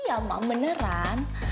iya mam beneran